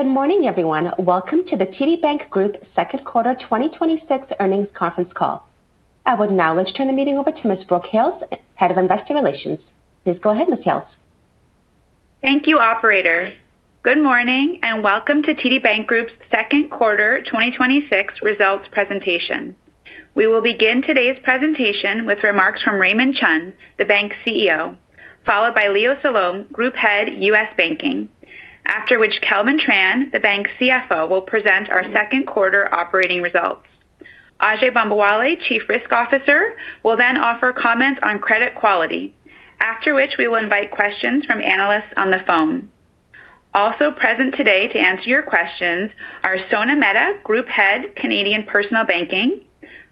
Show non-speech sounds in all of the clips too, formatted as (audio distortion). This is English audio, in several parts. Good morning, everyone. Welcome to the TD Bank Group second quarter 2026 earnings conference call. I would now like to turn the meeting over to Ms. Brooke Hales, Head of Investor Relations. Please go ahead, Ms. Hales. Thank you, operator. Good morning and welcome to TD Bank Group's second quarter 2026 results presentation. We will begin today's presentation with remarks from Raymond Chun, the bank's CEO, followed by Leo Salom, Group Head, U.S. Banking. After which Kelvin Tran, the bank's CFO, will present our second quarter operating results. Ajai Bambawale, Chief Risk Officer, will then offer comments on credit quality. After which we will invite questions from analysts on the phone. Also present today to answer your questions are Sona Mehta, Group Head, Canadian Personal Banking,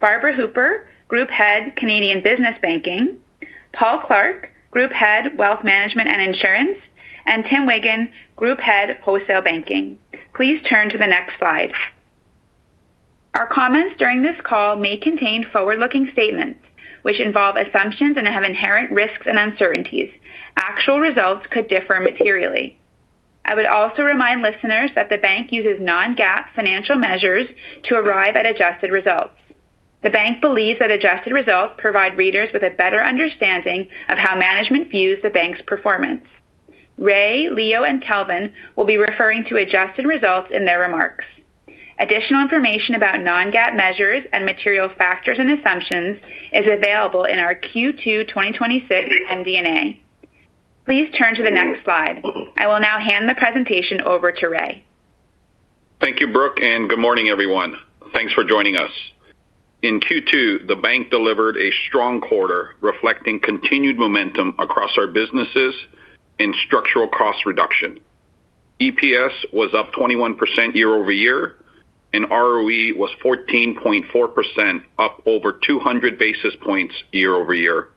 Barbara Hooper, Group Head, Canadian Business Banking, Paul Clark, Group Head, Wealth Management and Insurance, and Tim Wiggan, Group Head, Wholesale Banking. Please turn to the next slide. Our comments during this call may contain forward-looking statements, which involve assumptions and have inherent risks and uncertainties. Actual results could differ materially. I would also remind listeners that the bank uses non-GAAP financial measures to arrive at adjusted results. The bank believes that adjusted results provide readers with a better understanding of how management views the bank's performance. Ray, Leo, and Kelvin will be referring to adjusted results in their remarks. Additional information about non-GAAP measures and material factors and assumptions is available in our Q2 2026 MD&A. Please turn to the next slide. I will now hand the presentation over to Ray. Thank you, Brooke, and good morning, everyone. Thanks for joining us. In Q2, the Bank delivered a strong quarter reflecting continued momentum across our businesses and structural cost reduction. EPS was up 21% year-over-year, and ROE was 14.4%, up over 200 basis points year-over-year.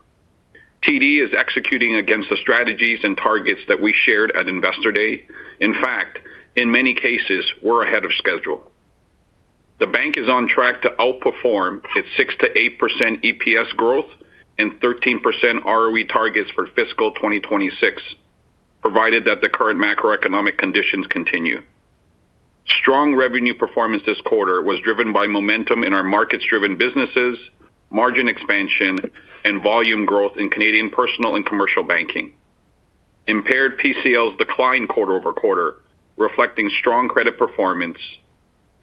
TD is executing against the strategies and targets that we shared at Investor Day. In fact, in many cases, we're ahead of schedule. The Bank is on track to outperform its 6%-8% EPS growth and 13% ROE targets for fiscal 2026, provided that the current macroeconomic conditions continue. Strong revenue performance this quarter was driven by momentum in our markets-driven businesses, margin expansion, and volume growth in Canadian Personal and Commercial Banking. Impaired PCLs declined quarter-over-quarter, reflecting strong credit performance.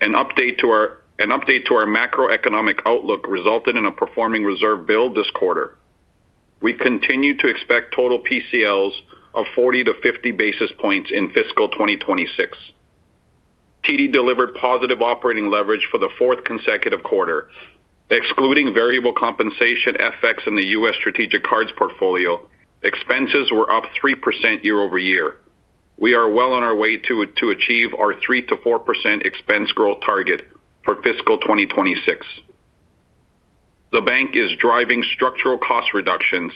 An update to our macroeconomic outlook resulted in a performing reserve build this quarter. We continue to expect total PCLs of 40-50 basis points in fiscal 2026. TD delivered positive operating leverage for the fourth consecutive quarter. Excluding variable compensation effects in the U.S. strategic cards portfolio, expenses were up 3% year-over-year. We are well on our way to achieve our 3%-4% expense growth target for fiscal 2026. The bank is driving structural cost reductions,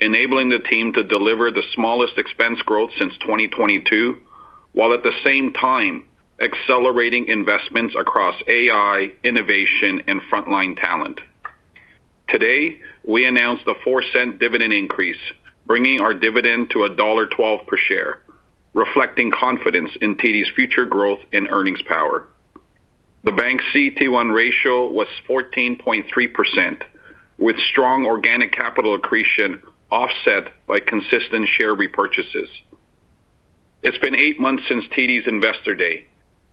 enabling the team to deliver the smallest expense growth since 2022, while at the same time accelerating investments across AI, innovation, and frontline talent. Today, we announced a 0.04 dividend increase, bringing our dividend to dollar 1.12 per share, reflecting confidence in TD's future growth and earnings power. The bank's CET1 ratio was 14.3%, with strong organic capital accretion offset by consistent share repurchases. It's been eight months since TD's Investor Day.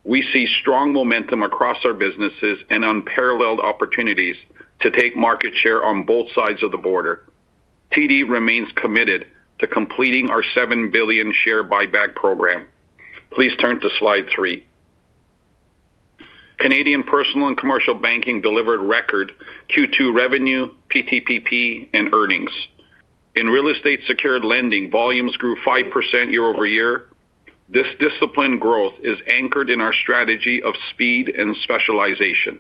We see strong momentum across our businesses and unparalleled opportunities to take market share on both sides of the border. TD remains committed to completing our 7 billion share buyback program. Please turn to slide three. Canadian Personal and Commercial Banking delivered record Q2 revenue, PTPP, and earnings. In Real Estate Secured Lending, volumes grew 5% year-over-year. This disciplined growth is anchored in our strategy of speed and specialization.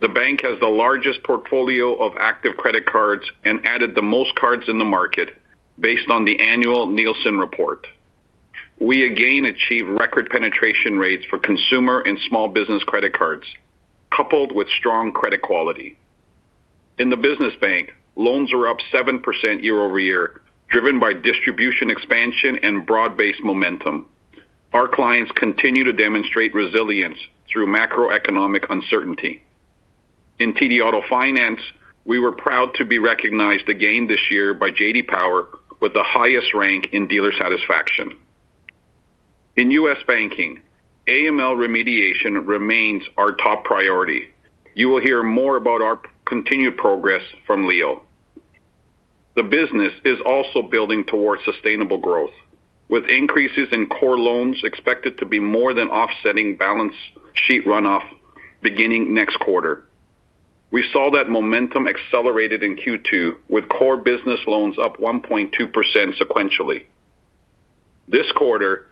The bank has the largest portfolio of active credit cards and added the most cards in the market based on the annual Nielsen report. We again achieve record penetration rates for consumer and small business credit cards, coupled with strong credit quality. In the business bank, loans are up 7% year-over-year, driven by distribution expansion and broad-based momentum. Our clients continue to demonstrate resilience through macroeconomic uncertainty. In TD Auto Finance, we were proud to be recognized again this year by J.D. Power with the highest rank in dealer satisfaction. In U.S. Banking, AML remediation remains our top priority. You will hear more about our continued progress from Leo. The business is also building towards sustainable growth, with increases in core loans expected to be more than offsetting balance sheet runoff beginning next quarter. We saw that momentum accelerated in Q2, with core business loans up 1.2% sequentially. This quarter,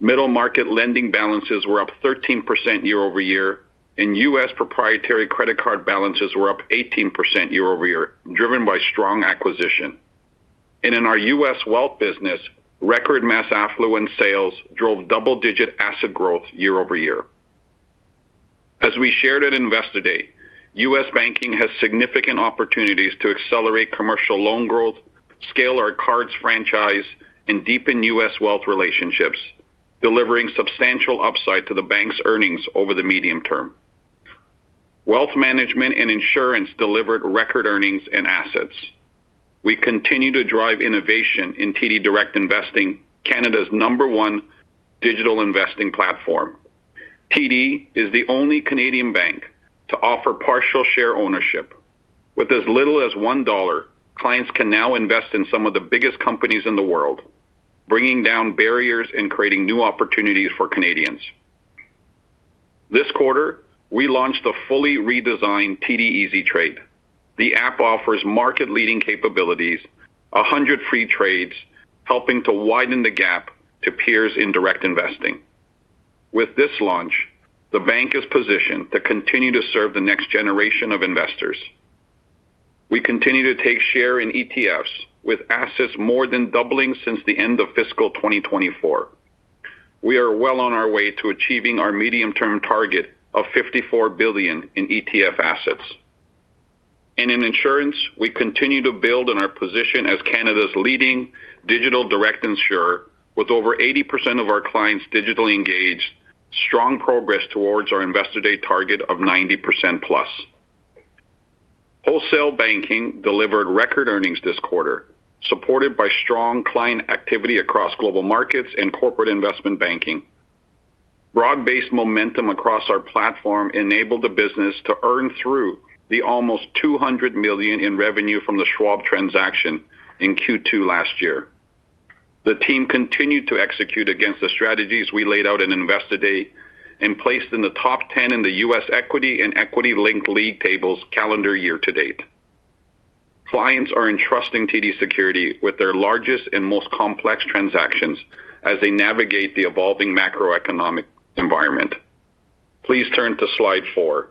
middle market lending balances were up 13% year-over-year, and U.S. proprietary credit card balances were up 18% year-over-year, driven by strong acquisition. In our U.S. wealth business, record mass affluent sales drove double-digit asset growth year over year. As we shared at Investor Day, U.S. Banking has significant opportunities to accelerate commercial loan growth, scale our cards franchise, and deepen U.S. wealth relationships, delivering substantial upside to the bank's earnings over the medium term. Wealth management and insurance delivered record earnings and assets. We continue to drive innovation in TD Direct Investing, Canada's number one digital investing platform. TD is the only Canadian bank to offer partial share ownership. With as little as 1 dollar, clients can now invest in some of the biggest companies in the world, bringing down barriers and creating new opportunities for Canadians. This quarter, we launched the fully redesigned TD EasyTrade. The app offers market-leading capabilities, 100 free trades, helping to widen the gap to peers in direct investing. With this launch, the bank is positioned to continue to serve the next-generation of investors. We continue to take share in ETFs with assets more than doubling since the end of fiscal 2024. We are well on our way to achieving our medium-term target of 54 billion in ETF assets. In insurance, we continue to build on our position as Canada's leading digital direct insurer, with over 80% of our clients digitally engaged, strong progress towards our Investor Day target of 90%+. Wholesale Banking delivered record earnings this quarter, supported by strong client activity across global markets and corporate investment banking. Broad-based momentum across our platform enabled the business to earn through the almost 200 million in revenue from the Schwab transaction in Q2 last year. The team continued to execute against the strategies we laid out in Investor Day and placed in the top 10 in the U.S. equity and equity linked league tables calendar year-to-date. Clients are entrusting TD Securities with their largest and most complex transactions as they navigate the evolving macroeconomic environment. Please turn to slide four.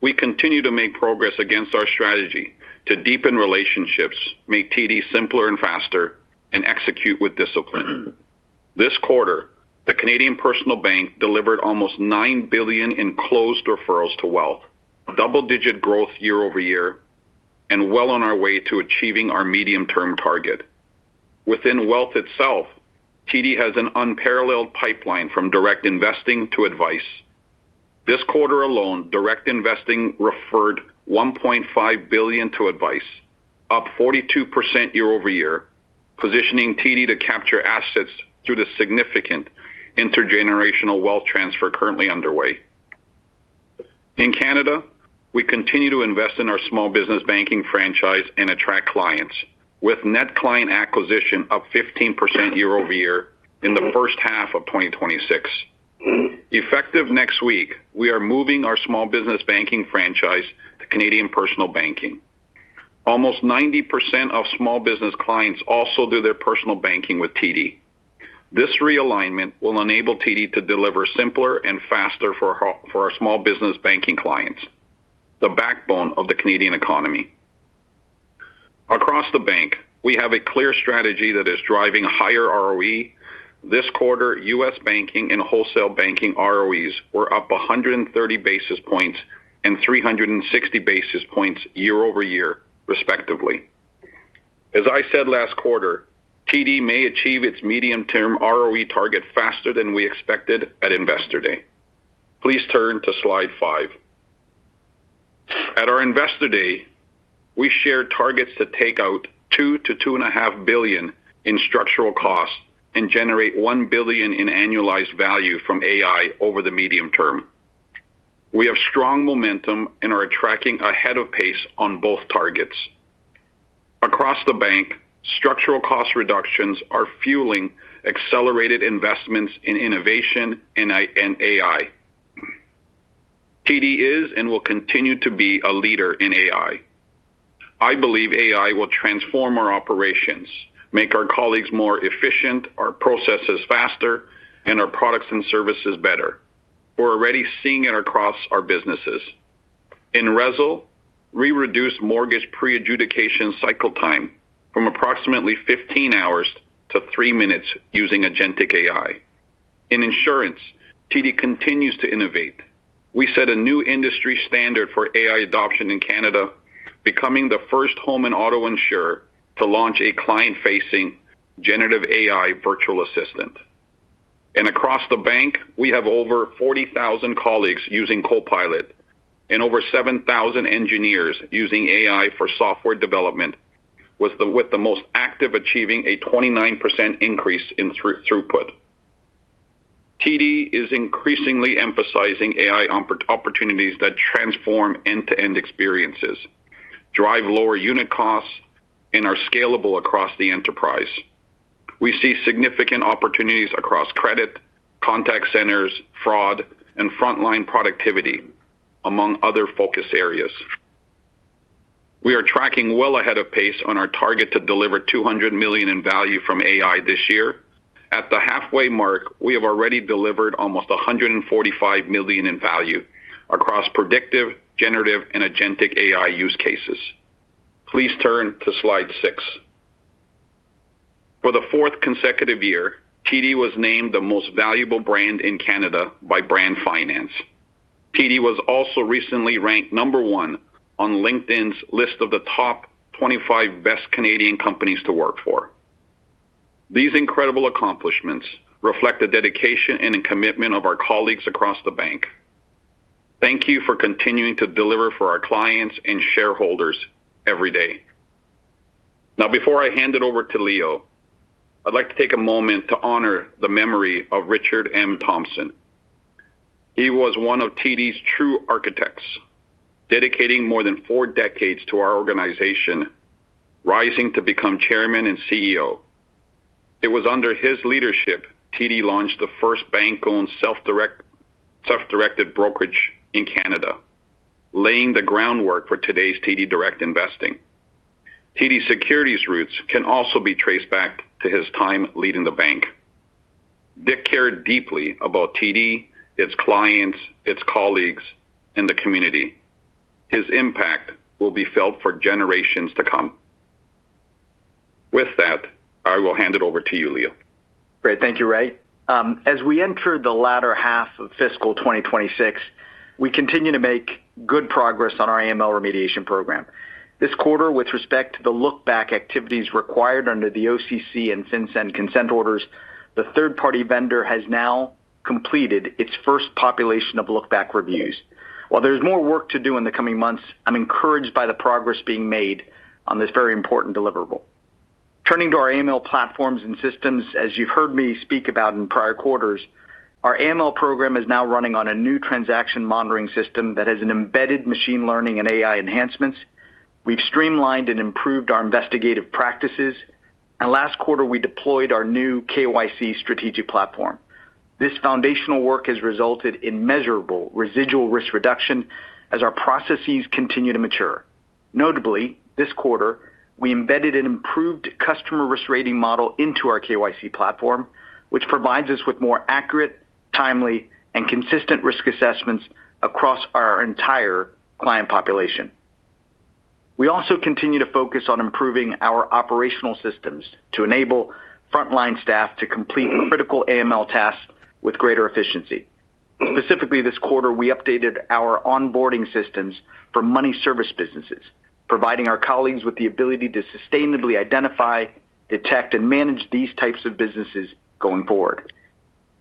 We continue to make progress against our strategy to deepen relationships, make TD simpler and faster, and execute with discipline. This quarter, the Canadian Personal Bank delivered almost 9 billion in closed referrals to Wealth, double-digit growth year-over-year, and well on our way to achieving our medium-term target. Within Wealth itself, TD has an unparalleled pipeline from Direct Investing to Advice. This quarter alone, Direct Investing referred 1.5 billion to Advice, up 42% year-over-year, positioning TD to capture assets through the significant intergenerational wealth transfer currently underway. In Canada, we continue to invest in our small business banking franchise and attract clients, with net client acquisition up 15% year-over-year in the first half of 2026. Effective next week, we are moving our small business banking franchise to Canadian Personal Banking. Almost 90% of small business clients also do their personal banking with TD. This realignment will enable TD to deliver simpler and faster for our small business banking clients, the backbone of the Canadian economy. Across the bank, we have a clear strategy that is driving higher ROE. This quarter, U.S. Banking and Wholesale Banking ROEs were up 130 basis points and 360 basis points year-over-year, respectively. As I said last quarter, TD may achieve its medium-term ROE target faster than we expected at Investor Day. Please turn to slide five. At our Investor Day, we shared targets to take out 2 billion-2.5 billion in structural costs and generate 1 billion in annualized value from AI over the medium term. We have strong momentum and are tracking ahead of pace on both targets. Across the bank, structural cost reductions are fueling accelerated investments in innovation and AI. TD is and will continue to be a leader in AI. I believe AI will transform our operations, make our colleagues more efficient, our processes faster, and our products and services better. We're already seeing it across our businesses. In RESL, we reduced mortgage pre-adjudication cycle time from approximately 15 hours to three minutes using agentic AI. In insurance, TD continues to innovate. We set a new industry standard for AI adoption in Canada, becoming the first home and auto insurer to launch a client-facing generative AI virtual assistant. Across the bank, we have over 40,000 colleagues using Copilot and over 7,000 engineers using AI for software development, with the most active achieving a 29% increase in throughput. TD is increasingly emphasizing AI opportunities that transform end-to-end experiences, drive lower unit costs, and are scalable across the enterprise. We see significant opportunities across credit, contact centers, fraud, and frontline productivity, among other focus areas. We are tracking well ahead of pace on our target to deliver 200 million in value from AI this year. At the halfway mark, we have already delivered almost 145 million in value across predictive, generative, and agentic AI use cases. Please turn to slide six. For the fourth consecutive year, TD was named the most valuable brand in Canada by Brand Finance. TD was also recently ranked number one on LinkedIn's list of the top 25 best Canadian companies to work for. These incredible accomplishments reflect the dedication and commitment of our colleagues across the bank. Thank you for continuing to deliver for our clients and shareholders every day. Before I hand it over to Leo, I'd like to take a moment to honor the memory of Richard M. Thomson. He was one of TD's true architects, dedicating more than four decades to our organization, rising to become Chairman and CEO. It was under his leadership, TD launched the first bank-owned self-directed brokerage in Canada, laying the groundwork for today's TD Direct Investing. TD Securities' roots can also be traced back to his time leading the bank. [Dick] cared deeply about TD, its clients, its colleagues, and the community. His impact will be felt for generations to come. With that, I will hand it over to you, Leo. Great. Thank you, Ray. As we enter the latter half of fiscal 2026, we continue to make good progress on our AML remediation program. This quarter, with respect to the look-back activities required under the OCC and FinCEN consent orders, the third-party vendor has now completed its first population of look-back reviews. While there's more work to do in the coming months, I'm encouraged by the progress being made on this very important deliverable. Turning to our AML platforms and systems, as you've heard me speak about in prior quarters, our AML program is now running on a new transaction monitoring system that has an embedded machine learning and AI enhancements. We've streamlined and improved our investigative practices, and last quarter, we deployed our new KYC strategic platform. This foundational work has resulted in measurable residual risk reduction as our processes continue to mature. Notably, this quarter, we embedded an improved customer risk rating model into our KYC platform, which provides us with more accurate, timely, and consistent risk assessments across our entire client population. We also continue to focus on improving our operational systems to enable frontline staff to complete critical AML tasks with greater efficiency. Specifically, this quarter, we updated our onboarding systems for money service businesses, providing our colleagues with the ability to sustainably identify, detect, and manage these types of businesses going forward.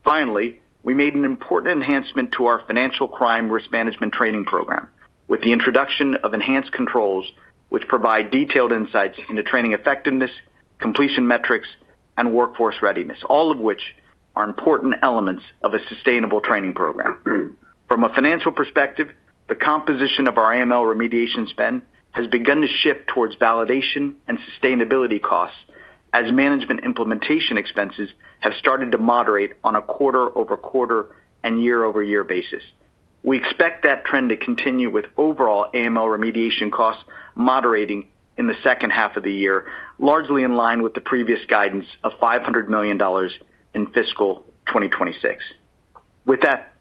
Finally, we made an important enhancement to our financial crime risk management training program with the introduction of enhanced controls, which provide detailed insights into training effectiveness, completion metrics, and workforce readiness, all of which are important elements of a sustainable training program. From a financial perspective, the composition of our AML remediation spend has begun to shift towards validation and sustainability costs as management implementation expenses have started to moderate on a quarter-over-quarter and year-over-year basis. We expect that trend to continue with overall AML remediation costs moderating in the second half of the year, largely in line with the previous guidance of 500 million dollars in fiscal 2026. With that,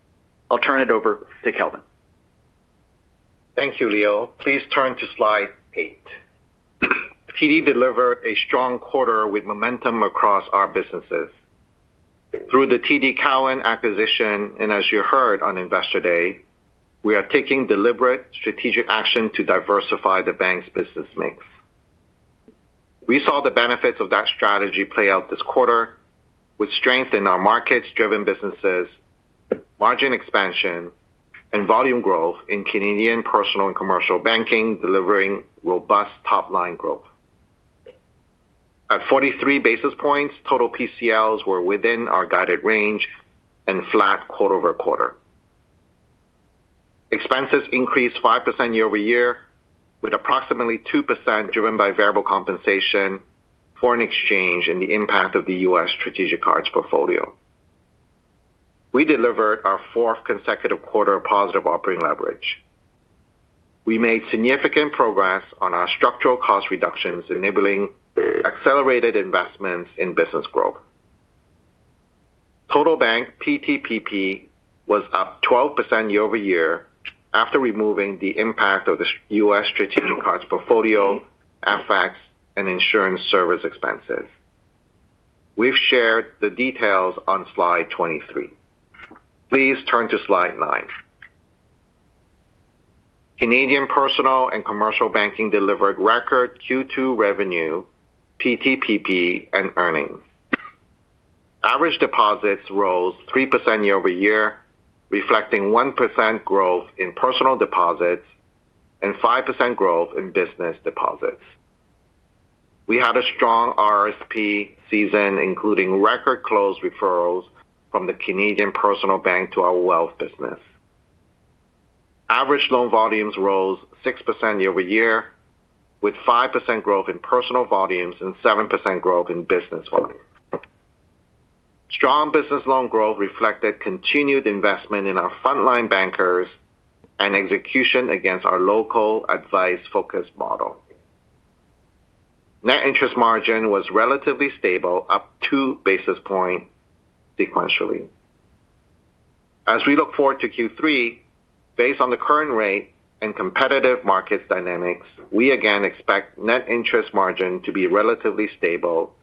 I'll turn it over to Kelvin. Thank you, Leo. Please turn to slide eight. TD delivered a strong quarter with momentum across our businesses. Through the TD Cowen acquisition, and as you heard on Investor Day, we are taking deliberate strategic action to diversify the bank's business mix. We saw the benefits of that strategy play out this quarter with strength in our markets-driven businesses, margin expansion, and volume growth in Canadian Personal and Commercial Banking delivering robust top-line growth. At 43 basis points, total PCLs were within our guided range and flat quarter-over-quarter. Expenses increased 5% year-over-year, with approximately 2% driven by variable compensation, foreign exchange, and the impact of the U.S. Strategic Cards portfolio. We delivered our fourth consecutive quarter of positive operating leverage. We made significant progress on our structural cost reductions, enabling accelerated investments in business growth. Total bank PTPP was up 12% year-over-year after removing the impact of the U.S. Strategic Cards portfolio, AFAC, and insurance service expenses. We've shared the details on slide 23. Please turn to slide nine. Canadian Personal and Commercial Banking delivered record Q2 revenue, PTPP, and earnings. Average deposits rose 3% year-over-year, reflecting 1% growth in personal deposits and 5% growth in business deposits. We had a strong RRSP season, including record closed referrals from the Canadian Personal Bank to our wealth business. Average loan volumes rose 6% year-over-year, with 5% growth in personal volumes and 7% growth in business volumes. Strong business loan growth reflected continued investment in our frontline bankers and execution against our local advice-focused model. Net interest margin was relatively stable, up two basis points sequentially. As we look forward to Q3, based on the current rate and competitive market dynamics, we again expect net interest margin to be relatively stable,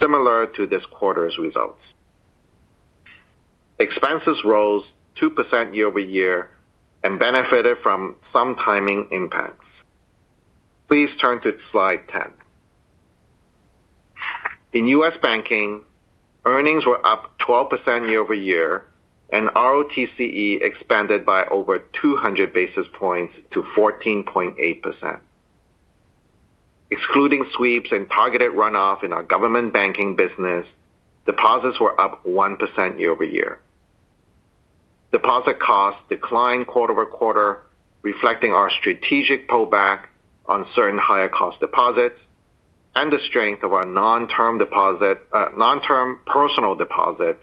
similar to this quarter's results. Expenses rose 2% year-over-year and benefited from some timing impacts. Please turn to slide 10. In U.S. Banking, earnings were up 12% year-over-year and ROTCE expanded by over 200 basis points to 14.8%. Excluding sweeps and targeted runoff in our government banking business, deposits were up 1% year-over-year. Deposit costs declined quarter-over-quarter, reflecting our strategic pullback on certain higher cost deposits and the strength of our non-term personal deposits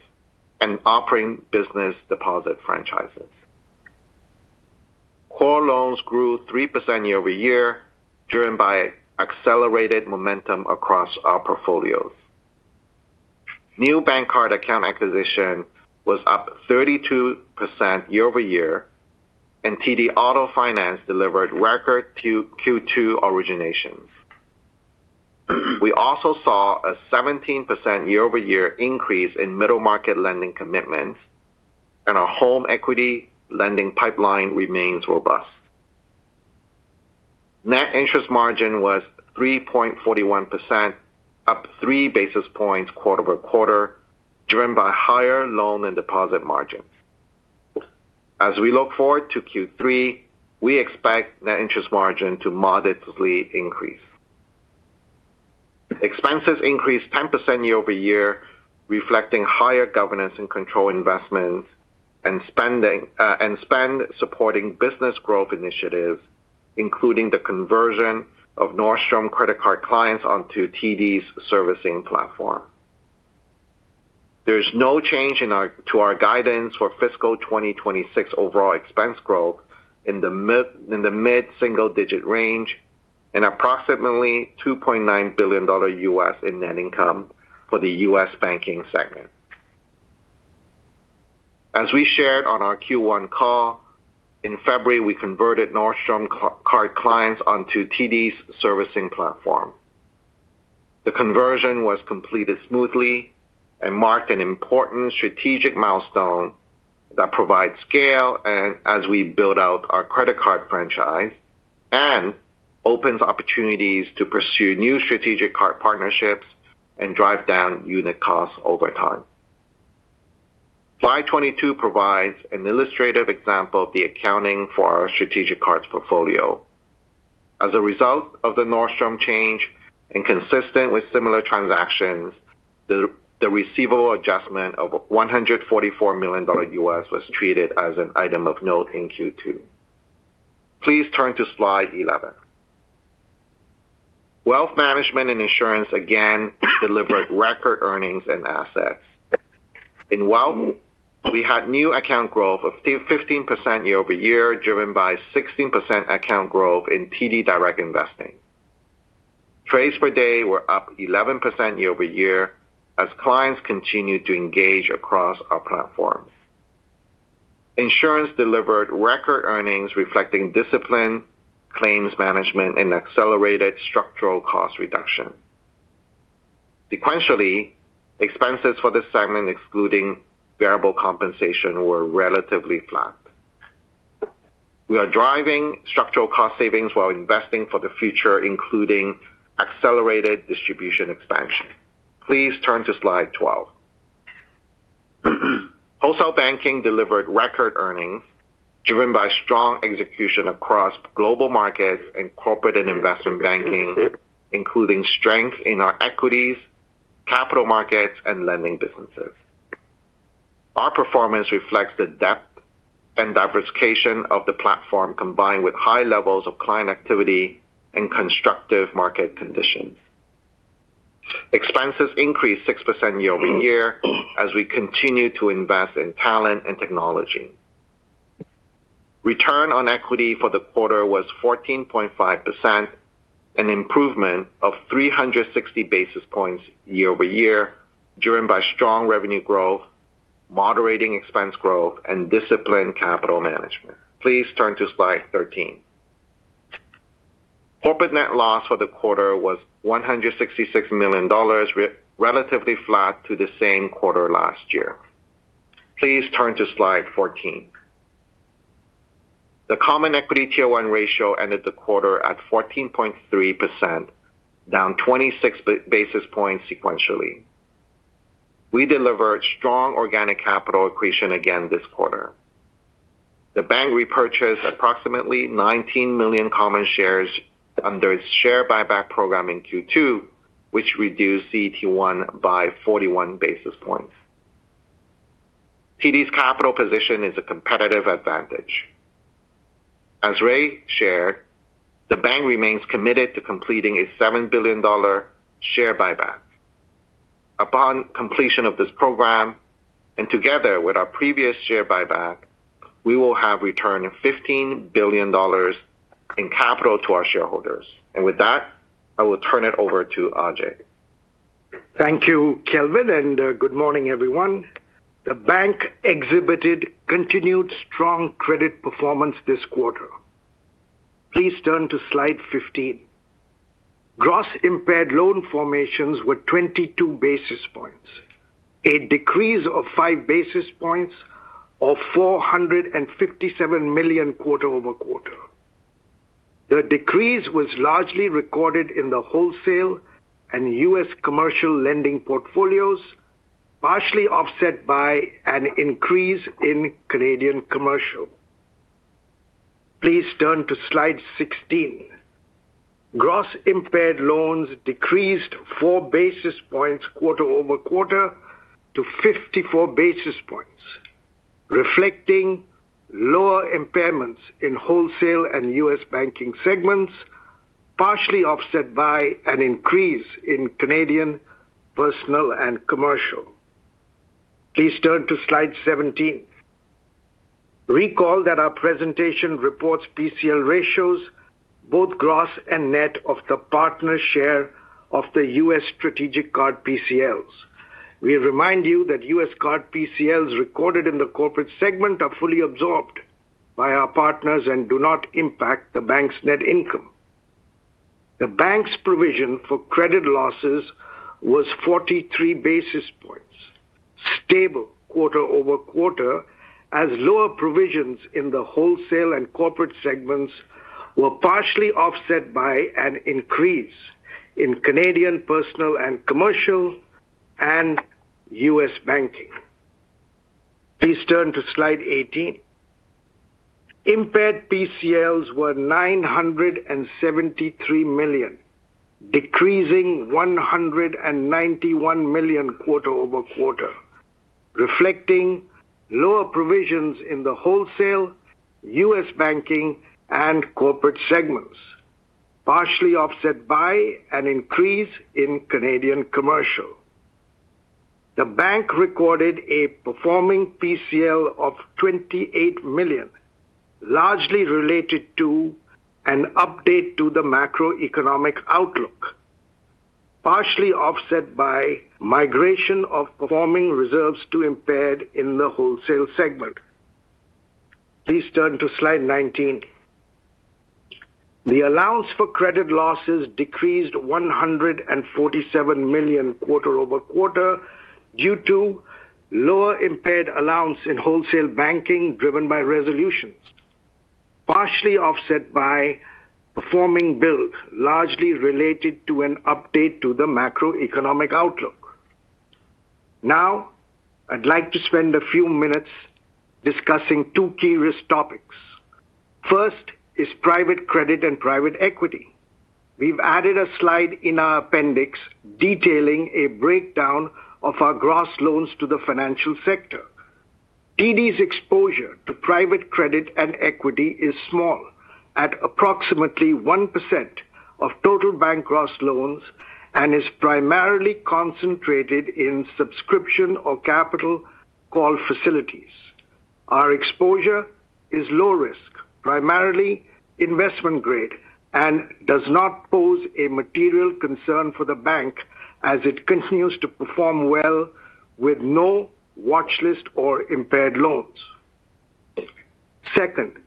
and operating business deposit franchises. Core loans grew 3% year-over-year, driven by accelerated momentum across our portfolios. New bank card account acquisition was up 32% year-over-year, and TD Auto Finance delivered record Q2 originations. We also saw a 17% year-over-year increase in middle market lending commitments and our home equity lending pipeline remains robust. Net interest margin was 3.41%, up 3 basis points quarter-over-quarter, driven by higher loan and deposit margins. As we look forward to Q3, we expect net interest margin to modestly increase. Expenses increased 10% year-over-year, reflecting higher governance and control investments and spend supporting business growth initiatives, including the conversion of Nordstrom credit card clients onto TD's servicing platform. There is no change to our guidance for fiscal 2026 overall expense growth in the mid-single-digit range and approximately $2.9 billion in net income for the U.S. Banking segment. As we shared on our Q1 call, in February, we converted Nordstrom card clients onto TD's servicing platform. The conversion was completed smoothly and marked an important strategic milestone that provides scale. As we build out our credit card franchise and opens opportunities to pursue new strategic card partnerships and drive down unit costs over time. Slide 22 provides an illustrative example of the accounting for our strategic cards portfolio. As a result of the Nordstrom change and consistent with similar transactions, the receivable adjustment of $144 million was treated as an item of note in Q2. Please turn to slide 11. Wealth management and insurance again delivered record earnings and assets. In wealth, we had new account growth of 15% year-over-year, driven by 16% account growth in TD Direct Investing. Trades-per-day were up 11% year-over-year as clients continued to engage across our platforms. Insurance delivered record earnings reflecting discipline, claims management, and accelerated structural cost reduction. Sequentially, expenses for this segment, excluding variable compensation, were relatively flat. We are driving structural cost savings while investing for the future, including accelerated distribution expansion. Please turn to slide 12. Wholesale Banking delivered record earnings driven by strong execution across global markets and corporate and investment banking, including strength in our equities, capital markets, and lending businesses. Our performance reflects the depth and diversification of the platform, combined with high levels of client activity and constructive market conditions. Expenses increased 6% year-over-year as we continue to invest in talent and technology. Return on equity for the quarter was 14.5%, an improvement of 360 basis points year-over-year, driven by strong revenue growth, moderating expense growth, and disciplined capital management. Please turn to slide 13. Corporate net loss for the quarter was 166 million dollars, relatively flat to the same quarter last year. Please turn to slide 14. The Common Equity Tier 1 ratio ended the quarter at 14.3%, down 26 basis points sequentially. We delivered strong organic capital accretion again this quarter. The bank repurchased approximately 19 million common shares under its share buyback program in Q2, which reduced CET1 by 41 basis points. TD's capital position is a competitive advantage. As Ray shared, the bank remains committed to completing a 7 billion dollar share buyback. Upon completion of this program, and together with our previous share buyback, we will have returned 15 billion dollars in capital to our shareholders. With that, I will turn it over to Ajai. Thank you, Kelvin, and good morning, everyone. The bank exhibited continued strong credit performance this quarter. Please turn to slide 15. Gross Impaired Loan formations were 22 basis points, a decrease of five basis points of 457 million quarter-over-quarter. The decrease was largely recorded in the Wholesale and U.S. commercial lending portfolios, partially offset by an increase in Canadian Commercial. Please turn to slide 16. Gross Impaired Loans decreased four basis points quarter-over-quarter to 54 basis points, reflecting lower impairments in Wholesale and U.S. Banking segments, partially offset by an increase in Canadian Personal and Commercial. Please turn to slide 17. Recall that our presentation reports PCL ratios both gross and net of the partner share of the U.S. strategic card PCLs. We remind you that U.S. card PCLs recorded in the Corporate segment are fully absorbed by our partners and do not impact the bank's net income. The bank's provision for credit losses was 43 basis points, stable quarter-over-quarter, as lower provisions in the Wholesale and Corporate segments were partially offset by an increase in Canadian Personal and Commercial and U.S. Banking. Please turn to slide 18. Impaired PCLs were 973 million, decreasing 191 million quarter-over-quarter, reflecting lower provisions in the Wholesale, U.S. Banking, and Corporate segments, partially offset by an increase in Canadian Commercial. The bank recorded a performing PCL of 28 million, largely related to an update to the macroeconomic outlook, partially offset by migration of performing reserves to impaired in the Wholesale segment. Please turn to slide 19. The allowance for credit losses decreased 147 million quarter-over-quarter due to lower impaired allowance in Wholesale Banking driven by resolutions, partially offset by performing build, largely related to an update to the macroeconomic outlook. I'd like to spend a few minutes discussing two key risk topics. First is private credit and private equity. We've added a slide in our appendix detailing a breakdown of our gross loans to the financial sector. TD's exposure to private credit and equity is small, at approximately 1% of total bank gross loans, and is primarily concentrated in subscription or capital call facilities. Our exposure is low risk, primarily investment-grade, and does not pose a material concern for the bank as it continues to perform well with no watchlist or impaired loans. Second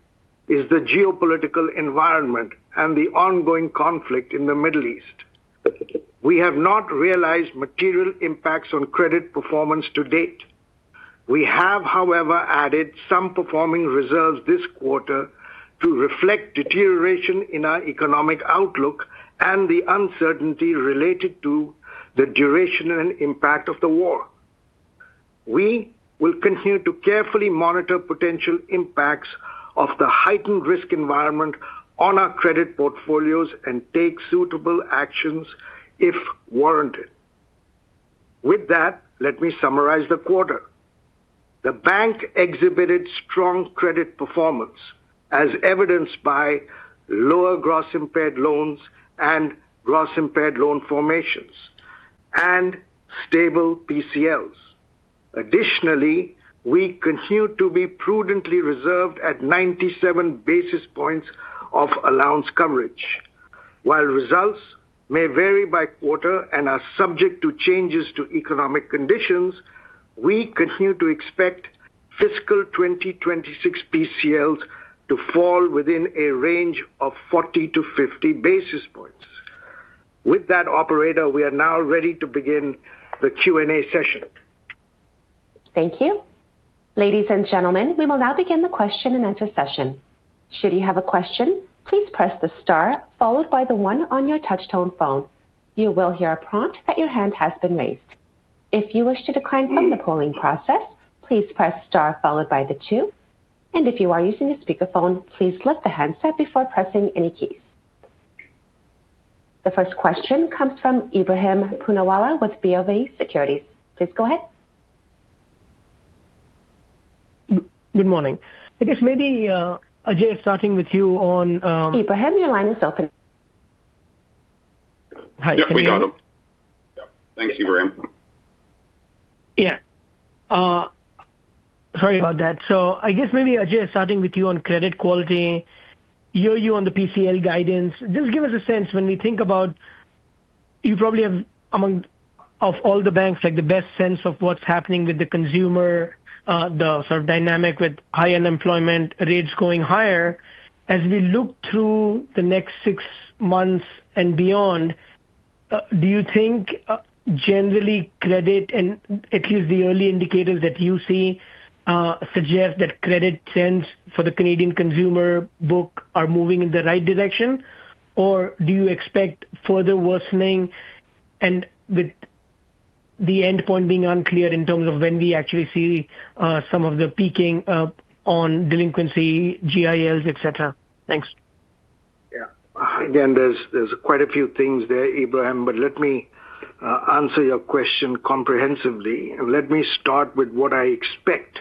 is the geopolitical environment and the ongoing conflict in the Middle East. We have not realized material impacts on credit performance to-date. We have, however, added some performing reserves this quarter to reflect deterioration in our economic outlook and the uncertainty related to the duration and impact of the war. We will continue to carefully monitor potential impacts of the heightened risk environment on our credit portfolios and take suitable actions if warranted. With that, let me summarize the quarter. The bank exhibited strong credit performance as evidenced by lower gross impaired loans and gross impaired loan formations and stable PCLs. Additionally, we continue to be prudently reserved at 97 basis points of allowance coverage. While results may vary by quarter and are subject to changes to economic conditions, we continue to expect fiscal 2026 PCLs to fall within a range of 40-50 basis points. With that, operator, we are now ready to begin the Q&A session. Thank you. Ladies and gentlemen we will now begin the question-and-answer session. Should you have a question please press the star followed by the one on your touch-tone phone. You will hear a prompt that your hand has been raised. If you wish to (audio distortion) please press star followed by the two. And if you are using a speakerphone please lift the handset before pressing any keys. The first question comes from Ebrahim Poonawala with BofA Securities. Please go ahead. Good morning. I guess maybe, Ajai, starting with you on- Ebrahim, your line is open. Hi- Yeah, we got him. Thank you, Ebrahim Yeah. Sorry about that. I guess maybe, Ajai, starting with you on credit quality, you on the PCL guidance. Just give us a sense when we think about you probably have, among of all the banks, the best sense of what's happening with the consumer, the sort of dynamic with high unemployment rates going higher. As we look through the next six months and beyond, do you think generally credit and at least the early indicators that you see suggest that credit trends for the Canadian consumer book are moving in the right direction? Do you expect further worsening and with the endpoint being unclear in terms of when we actually see some of the peaking up on delinquency, GILs, et cetera? Thanks. There's quite a few things there, Ebrahim, let me answer your question comprehensively. Let me start with what I expect.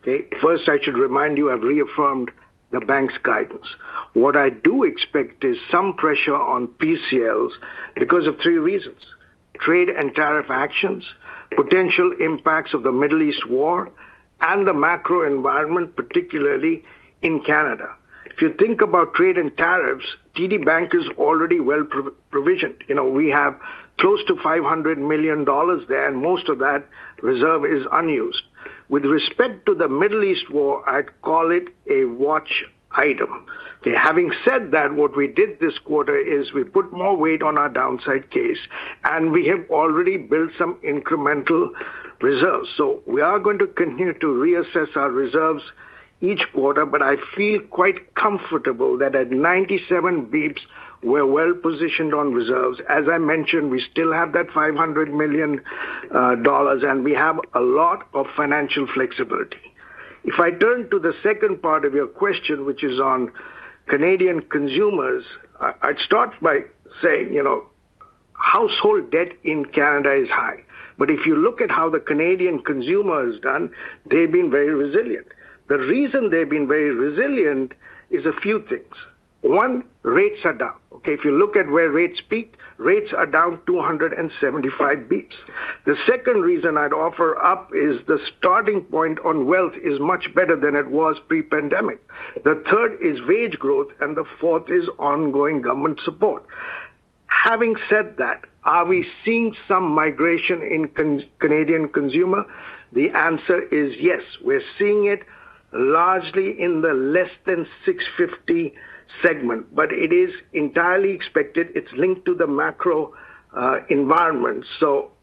Okay? First, I should remind you, I've reaffirmed the bank's guidance. What I do expect is some pressure on PCLs because of three reasons: trade and tariff actions, potential impacts of the Middle East war, and the macro environment, particularly in Canada. If you think about trade and tariffs, TD Bank is already well-provisioned. We have close to 500 million dollars there, most of that reserve is unused. With respect to the Middle East war, I'd call it a watch item. Okay? Having said that, what we did this quarter is we put more weight on our downside case, we have already built some incremental reserves. We are going to continue to reassess our reserves each quarter, but I feel quite comfortable that at 97 basis points, we're well-positioned on reserves. As I mentioned, we still have that 500 million dollars, and we have a lot of financial flexibility. I turn to the second part of your question, which is on Canadian consumers, I'd start by saying, household debt in Canada is high. If you look at how the Canadian consumer has done, they've been very resilient. The reason they've been very resilient is a few things. One, rates are down. Okay. If you look at where rates peaked, rates are down 275 basis points. The second reason I'd offer up is the starting point on wealth is much better than it was pre-pandemic. The third is wage growth, and the fourth is ongoing government support. Having said that, are we seeing some migration in Canadian consumer? The answer is yes. We're seeing it largely in the less than 650 segment. It is entirely expected. It's linked to the macro environment.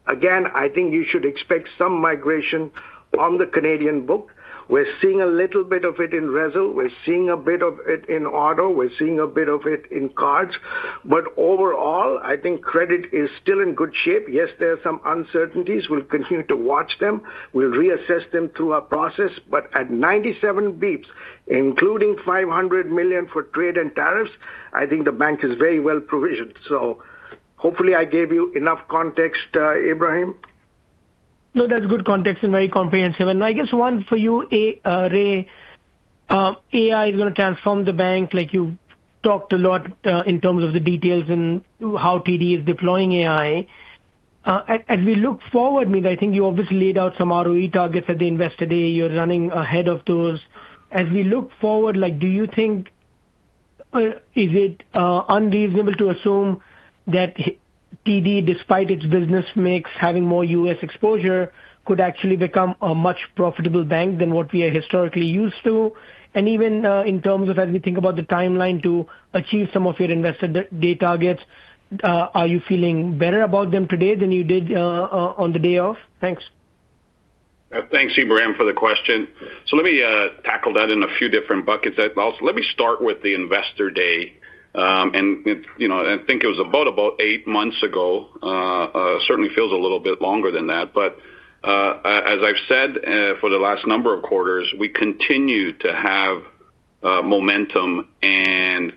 Again, I think you should expect some migration on the Canadian book. We're seeing a little bit of it in resi, we're seeing a bit of it in auto, we're seeing a bit of it in cards. Overall, I think credit is still in good shape. Yes, there are some uncertainties. We'll continue to watch them. We'll reassess them through our process. At 97 basis points, including 500 million for trade and tariffs, I think the bank is very well provisioned. Hopefully I gave you enough context, Ebrahim. No, that's good context and very comprehensive. I guess one for you, Ray. AI is going to transform the bank, like you talked a lot, in terms of the details and how TD is deploying AI. As we look forward, I think you obviously laid out some ROE targets at the Investor Day. You're running ahead of those. As we look forward, is it unreasonable to assume that TD, despite its business mix, having more U.S. exposure, could actually become a much profitable bank than what we are historically used to? Even, in terms of as we think about the timeline to achieve some of your Investor Day targets, are you feeling better about them today than you did on the day of? Thanks. Thanks, Ebrahim, for the question. Let me tackle that in a few different buckets. Let me start with the Investor Day. I think it was about eight months ago. Certainly feels a little bit longer than that. As I've said for the last number of quarters, we continue to have momentum and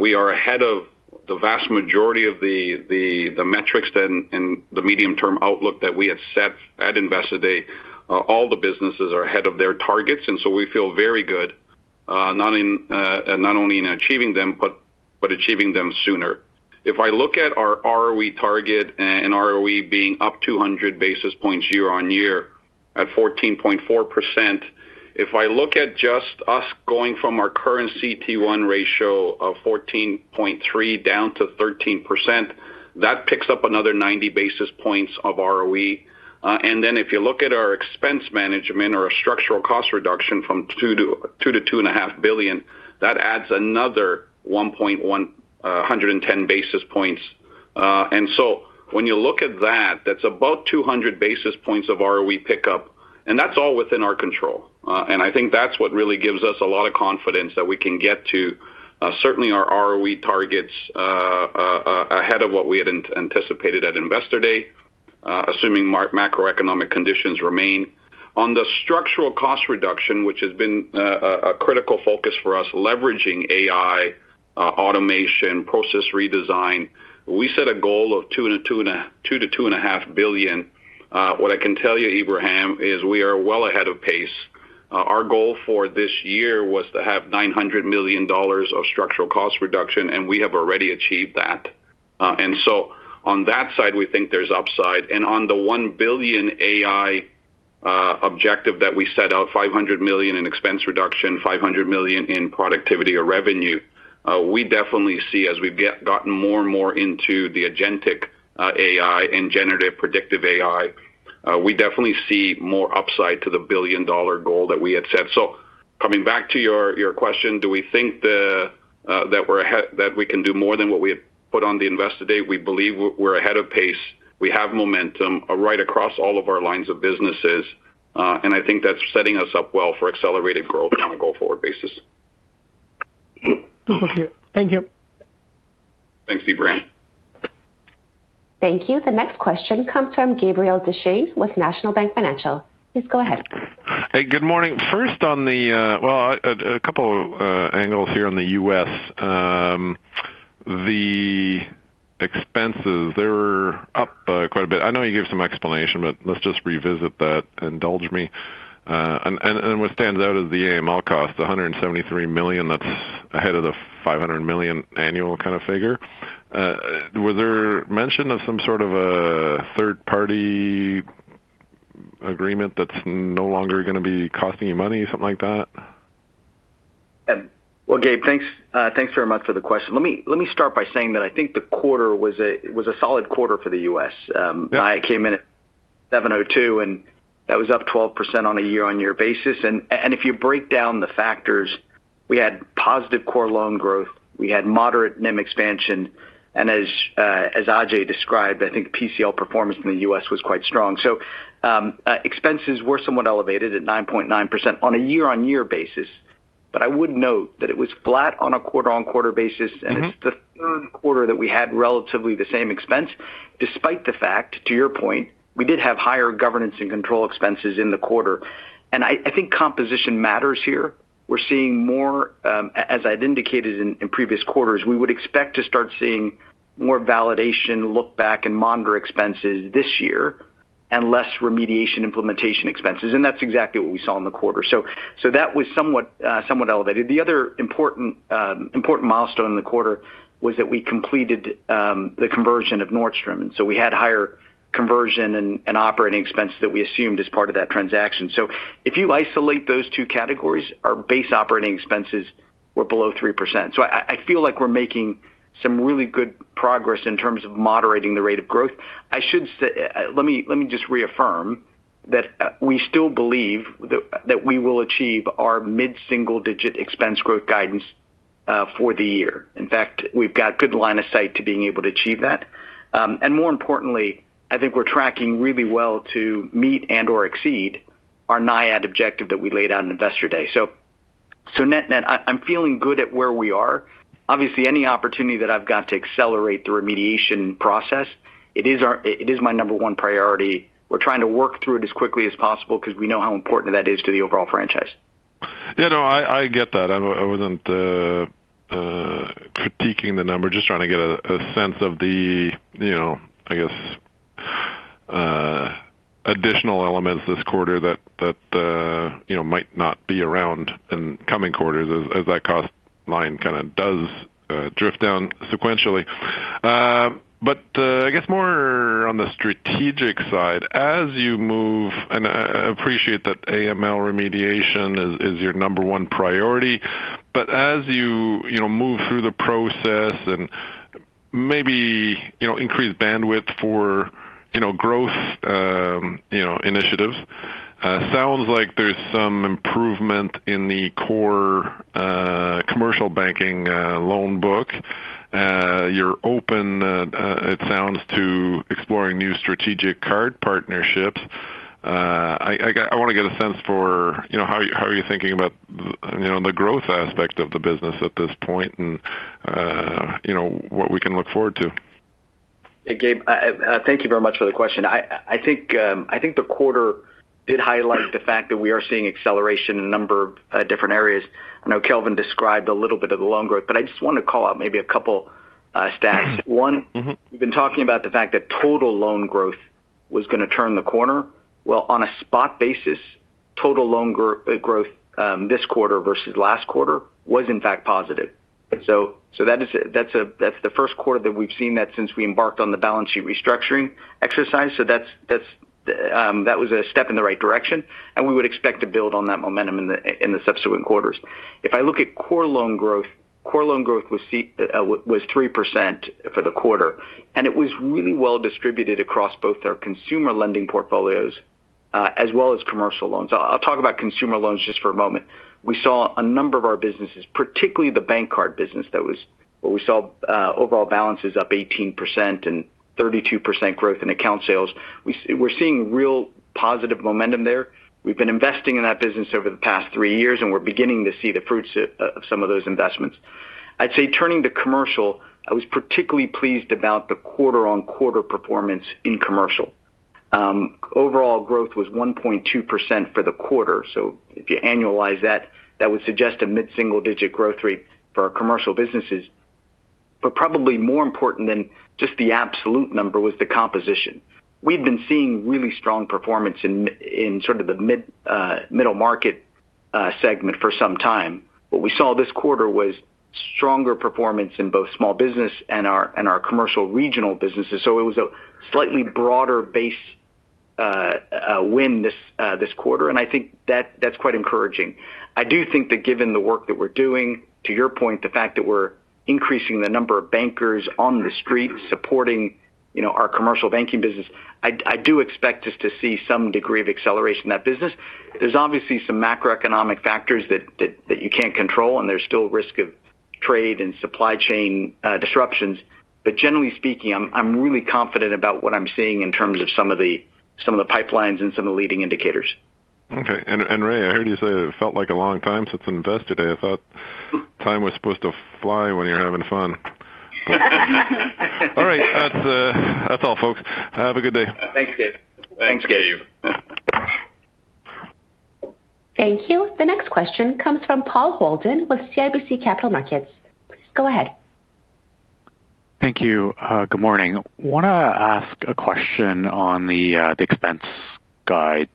we are ahead of the vast majority of the metrics and the medium-term outlook that we have set at Investor Day. All the businesses are ahead of their targets, we feel very good, not only in achieving them, but achieving them sooner. If I look at our ROE target and ROE being up 200 basis points year-on-year at 14.4%, if I look at just us going from our current CET1 ratio of 14.3% down to 13%, that picks up another 90 basis points of ROE. If you look at our expense management or our structural cost reduction from 2 billion to 2.5 billion, that adds another 110 basis points. When you look at that's about 200 basis points of ROE pickup, and that's all within our control. I think that's what really gives us a lot of confidence that we can get to certainly our ROE targets ahead of what we had anticipated at Investor Day, assuming macroeconomic conditions remain. On the structural cost reduction, which has been a critical focus for us, leveraging AI, automation, process redesign, we set a goal of 2 billion to 2.5 billion. What I can tell you, Ebrahim, is we are well ahead of pace. Our goal for this year was to have 900 million dollars of structural cost reduction, and we have already achieved that. On that side, we think there's upside. On the 1 billion AI objective that we set out, 500 million in expense reduction, 500 million in productivity or revenue, we definitely see as we've gotten more and more into the agentic AI and generative predictive AI, we definitely see more upside to the billion-dollar goal that we had set. Coming back to your question, do we think that we can do more than what we had put on the Investor Day? We believe we're ahead of pace. We have momentum right across all of our lines of businesses. I think that's setting us up well for accelerated growth on a go-forward basis. Okay. Thank you. Thanks, Ebrahim. Thank you. The next question comes from Gabriel Dechaine with National Bank Financial. Please go ahead. Hey, good morning. First, a couple angles here on the U.S. The expenses, they're up quite a bit. I know you gave some explanation, but let's just revisit that. Indulge me. What stands out is the AML cost, 173 million, that's ahead of the 500 million annual kind of figure. Was there mention of some sort of a third-party agreement that's no longer going to be costing you money, something like that? Well, Gabe, thanks very much for the question. Let me start by saying that I think the quarter was a solid quarter for the U.S. Yeah. NIAT came in at $702 million, that was up 12% on a year-over-year basis. If you break down the factors, we had positive core loan growth, we had moderate NIM expansion, and as Ajai described, I think PCL performance in the U.S. was quite strong. Expenses were somewhat elevated at 9.9% on a year-over-year basis. I would note that it was flat on a quarter-over-quarter basis. It's the third quarter that we had relatively the same expense, despite the fact, to your point, we did have higher governance and control expenses in the quarter. I think composition matters here. We're seeing As I'd indicated in previous quarters, we would expect to start seeing more validation look back and monitor expenses this year and less remediation implementation expenses, and that's exactly what we saw in the quarter. That was somewhat elevated. The other important milestone in the quarter was that we completed the conversion of Nordstrom. We had higher conversion and operating expenses that we assumed as part of that transaction. If you isolate those two categories, our base operating expenses were below 3%. I feel like we're making some really good progress in terms of moderating the rate of growth. Let me just reaffirm that we still believe that we will achieve our mid-single-digit expense growth guidance for the year. We've got good line of sight to being able to achieve that. More importantly, I think we're tracking really well to meet and/or exceed our NIAD objective that we laid out in Investor Day. Net-net, I'm feeling good at where we are. Obviously, any opportunity that I've got to accelerate the remediation process, it is my number one priority. We're trying to work through it as quickly as possible because we know how important that is to the overall franchise. Yeah, no, I get that. I wasn't critiquing the number, just trying to get a sense of the, I guess, additional elements this quarter that might not be around in coming quarters as that cost line kind of does drift down sequentially. I guess more on the strategic side, as you move, and I appreciate that AML remediation is your number one priority. As you move through the process and maybe increase bandwidth for growth initiatives, sounds like there's some improvement in the core commercial banking loan book. You're open, it sounds, to exploring new strategic card partnerships. I want to get a sense for how are you thinking about the growth aspect of the business at this point and what we can look forward to. Hey, Gabe. Thank you very much for the question. I think the quarter did highlight the fact that we are seeing acceleration in a number of different areas. I know Kelvin described a little bit of the loan growth. I just want to call out maybe a couple stats. One, we've been talking about the fact that total loan growth was going to turn the corner. Well, on a spot basis, total loan growth this quarter versus last quarter was in fact positive. That's the first quarter that we've seen that since we embarked on the balance sheet restructuring exercise. That was a step in the right direction, and we would expect to build on that momentum in the subsequent quarters. If I look at core loan growth, core loan growth was 3% for the quarter, and it was really well distributed across both our consumer lending portfolios as well as commercial loans. I'll talk about consumer loans just for a moment. We saw a number of our businesses, particularly the bank card business, where we saw overall balances up 18% and 32% growth in account sales. We're seeing real positive momentum there. We've been investing in that business over the past three years, and we're beginning to see the fruits of some of those investments. I'd say turning to commercial, I was particularly pleased about the quarter-on-quarter performance in commercial. Overall growth was 1.2% for the quarter. If you annualize that would suggest a mid-single-digit growth rate for our commercial businesses. Probably more important than just the absolute number was the composition. We've been seeing really strong performance in sort of the Middle Market segment for some time. What we saw this quarter was stronger performance in both Small Business and our Commercial Regional Businesses. It was a slightly broader base win this quarter. I think that's quite encouraging. I do think that given the work that we're doing, to your point, the fact that we're increasing the number of bankers on the street supporting our Commercial Banking business, I do expect us to see some degree of acceleration in that business. There's obviously some macroeconomic factors that you can't control, and there's still risk of trade and supply chain disruptions. Generally speaking, I'm really confident about what I'm seeing in terms of some of the pipelines and some of the leading indicators. Okay. Ray, I heard you say that it felt like a long time since Investor Day. I thought time was supposed to fly when you're having fun. All right, that's all, folks. Have a good day. Thanks, Gabe. Thanks, Gabe. Thank you. The next question comes from Paul Holden with CIBC Capital Markets. Please go ahead. Thank you. Good morning. Want to ask a question on the expense guide.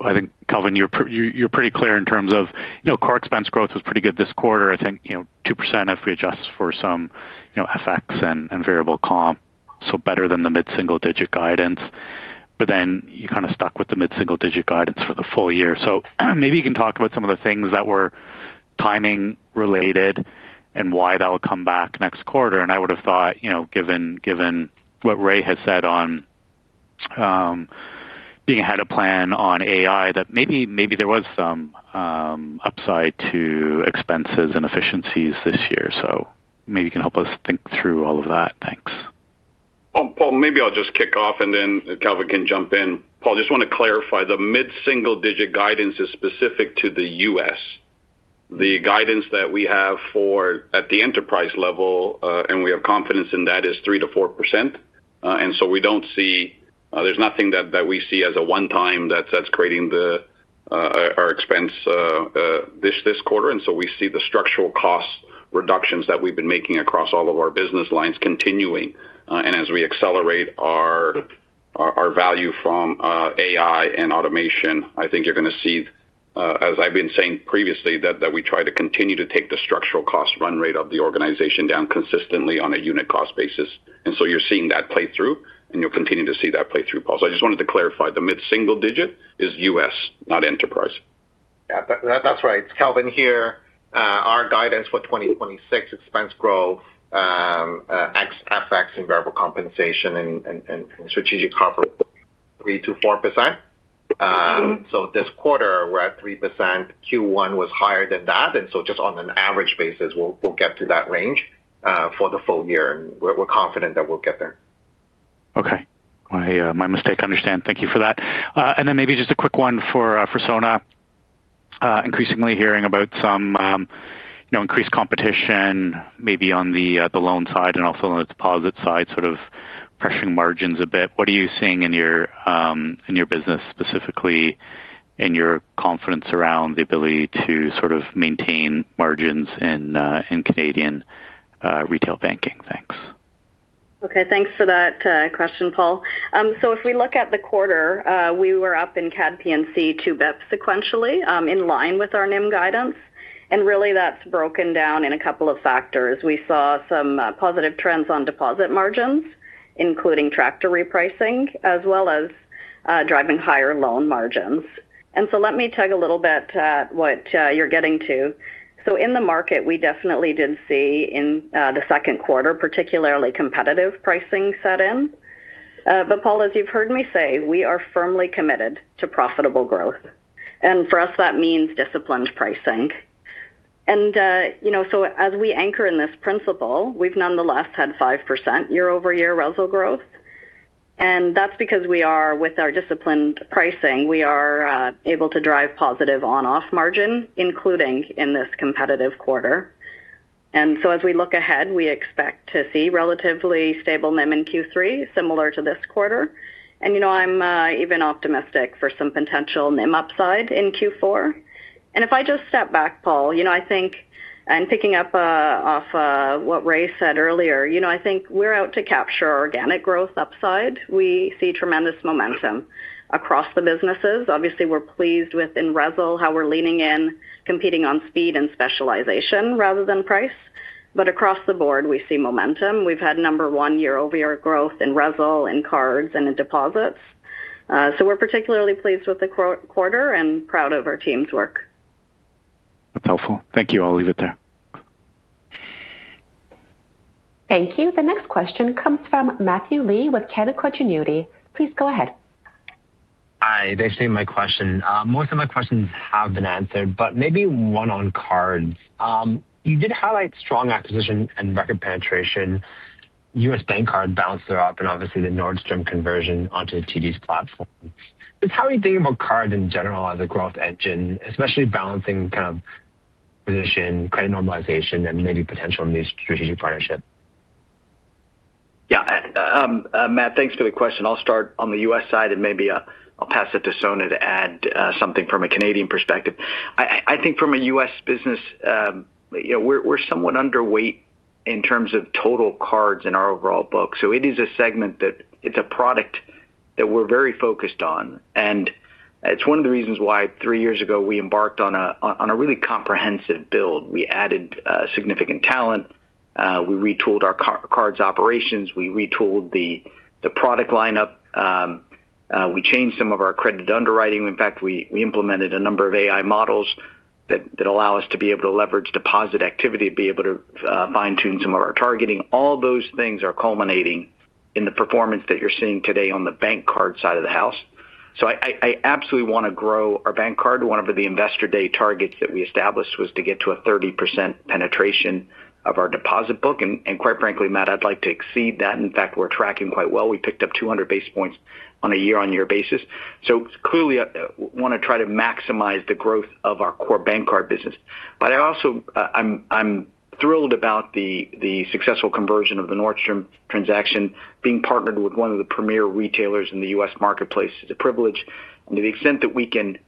I think, Kelvin, you're pretty clear in terms of core expense growth was pretty good this quarter. I think 2% if we adjust for some effects and variable comp, so better than the mid-single-digit guidance. Then you kind of stuck with the mid-single-digit guidance for the full year. Maybe you can talk about some of the things that were timing related and why that'll come back next quarter. I would have thought, given what Ray has said on being ahead of plan on AI, that maybe there was some upside to expenses and efficiencies this year. Maybe you can help us think through all of that. Thanks. Paul, maybe I'll just kick off and then Kelvin can jump in. Paul, just want to clarify, the mid-single digit guidance is specific to the U.S. The guidance that we have at the enterprise level, we have confidence in that, is 3%-4%. There's nothing that we see as a one-time that's creating our expense this quarter. We see the structural cost reductions that we've been making across all of our business lines continuing. As we accelerate our value from AI and automation, I think you're going to see as I've been saying previously, that we try to continue to take the structural cost run rate of the organization down consistently on a unit cost basis. You're seeing that play through, and you'll continue to see that play through, Paul. I just wanted to clarify, the mid-single digit is U.S., not Enterprise. Yeah, that's right. It's Kelvin here. Our guidance for 2026 expense growth, ex-FX and variable compensation and strategic 3%-4%. This quarter, we're at 3%. Q1 was higher than that. Just on an average basis, we'll get to that range for the full year, and we're confident that we'll get there. Okay. My mistake. Understand. Thank you for that. Then maybe just a quick one for Sona. Increasingly hearing about some increased competition maybe on the loan side and also on the deposit side, sort of pressuring margins a bit. What are you seeing in your business specifically and your confidence around the ability to sort of maintain margins in Canadian retail banking? Thanks. Thanks for that question, Paul. If we look at the quarter, we were up in CAD P&C 2 basis points sequentially, in line with our NIM guidance. Really that's broken down in a couple of factors. We saw some positive trends on deposit margins, including active repricing, as well as driving higher loan margins. Let me touch a little bit what you're getting to. In the market, we definitely did see in the second quarter, particularly competitive pricing set in. Paul, as you've heard me say, we are firmly committed to profitable growth. For us, that means disciplined pricing. As we anchor in this principle, we've nonetheless had 5% year-over-year RESL growth. That's because with our disciplined pricing, we are able to drive positive on-book margin, including in this competitive quarter. As we look ahead, we expect to see relatively stable NIM in Q3, similar to this quarter. I'm even optimistic for some potential NIM upside in Q4. If I just step back, Paul, I think, and picking up off what Ray said earlier, I think we're out to capture organic growth upside. We see tremendous momentum across the businesses. Obviously, we're pleased with in RESL, how we're leaning in, competing on speed and specialization rather than price. Across the board, we see momentum. We've had number one year-over-year growth in RESL, in cards, and in deposits. We're particularly pleased with the quarter and proud of our team's work. That's helpful. Thank you. I'll leave it there. Thank you. The next question comes from Matthew Lee with Canaccord Genuity. Please go ahead. Hi. Thanks for taking my question. Most of my questions have been answered, maybe one on cards. You did highlight strong acquisition and record penetration, U.S. bank card balances are up and obviously the Nordstrom conversion onto the TD's platform. Just how are you thinking about cards in general as a growth engine, especially balancing composition, credit normalization, and maybe potential new strategic partnership? Yeah. Matt, thanks for the question. I'll start on the U.S. side and maybe I'll pass it to Sona to add something from a Canadian perspective. I think from a U.S. business, we're somewhat underweight in terms of total cards in our overall book. It is a segment that it's a product that we're very focused on, and it's one of the reasons why three years ago we embarked on a really comprehensive build. We added significant talent. We retooled our cards operations. We retooled the product lineup. We changed some of our credit underwriting. In fact, we implemented a number of AI models that allow us to be able to leverage deposit activity, be able to fine-tune some of our targeting. All those things are culminating in the performance that you're seeing today on the bank card side of the house. I absolutely want to grow our bank card. One of the Investor Day targets that we established was to get to a 30% penetration of our deposit book, and quite frankly, Matt, I'd like to exceed that. In fact, we're tracking quite well. We picked up 200 basis points on a year-on-year basis. Clearly, I want to try to maximize the growth of our core bank card business. Also, I'm thrilled about the successful conversion of the Nordstrom transaction, being partnered with one of the premier retailers in the U.S. marketplace is a privilege to the extent that we can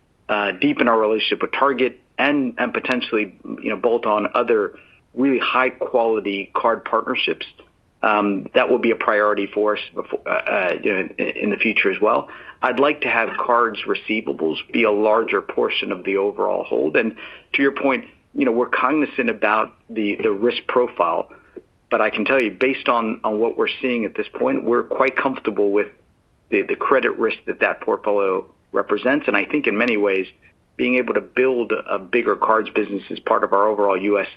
deepen our relationship with Target and potentially bolt on other really high-quality card partnerships, that will be a priority for us in the future as well. I'd like to have cards receivables be a larger portion of the overall hold. To your point, we're cognizant about the risk profile. I can tell you, based on what we're seeing at this point, we're quite comfortable with the credit risk that that portfolio represents. I think in many ways, being able to build a bigger cards business as part of our overall U.S.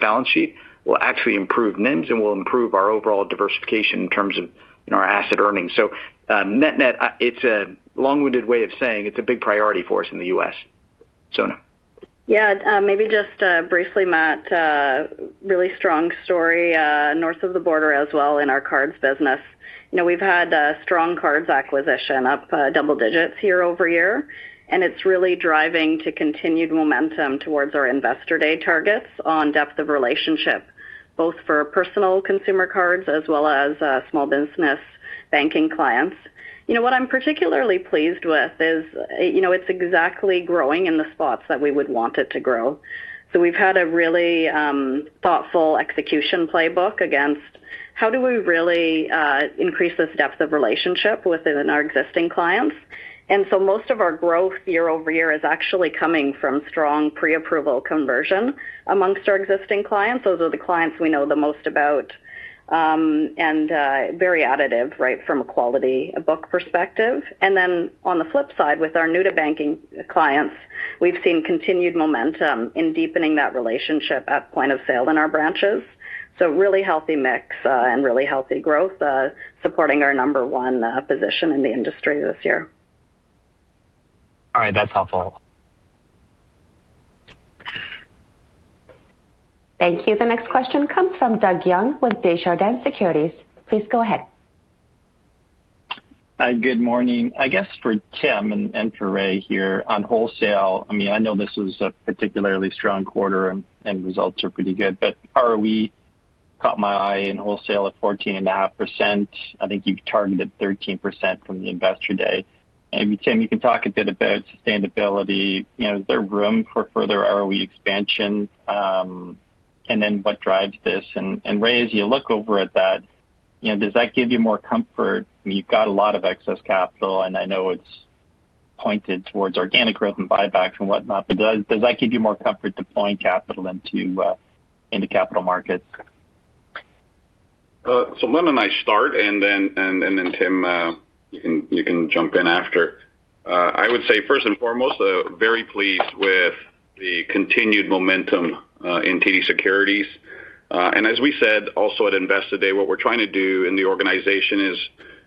balance sheet will actually improve NIMs and will improve our overall diversification in terms of our asset earnings. Net-net, it's a long-winded way of saying it's a big priority for us in the U.S. Sona? Yeah. Maybe just briefly, Matt, really strong story north of the border as well in our cards business. We've had a strong cards acquisition, up double digits year-over-year, and it's really driving to continued momentum towards our Investor Day targets on depth of relationship, both for personal consumer cards as well as Small Business Banking clients. What I'm particularly pleased with is it's exactly growing in the spots that we would want it to grow. We've had a really thoughtful execution playbook against how do we really increase this depth of relationship within our existing clients. Most of our growth year-over-year is actually coming from strong pre-approval conversion amongst our existing clients. Those are the clients we know the most about, and very additive from a quality book perspective. On the flip side, with our new-to-banking clients, we've seen continued momentum in deepening that relationship at point of sale in our branches. Really healthy mix and really healthy growth supporting our number one position in the industry this year. All right. That's helpful. Thank you. The next question comes from Doug Young with Desjardins Securities. Please go ahead. Hi. Good morning. I guess for Tim and for Ray here on Wholesale Banking, I know this was a particularly strong quarter and results are pretty good, but ROE caught my eye in Wholesale Banking at 14.5%. I think you've targeted 13% from the Investor Day. Maybe Tim, you can talk a bit about sustainability. Is there room for further ROE expansion? Then what drives this? Ray, as you look over at that, does that give you more comfort? You've got a lot of excess capital, and I know it's pointed towards organic growth and buybacks and whatnot, but does that give you more comfort deploying capital into capital markets? Let me start, Tim, you can jump in after. I would say, first and foremost, very pleased with the continued momentum in TD Securities. As we said also at Investor Day, what we're trying to do in the organization